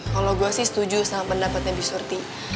kalau gue sih setuju sama pendapatnya di surti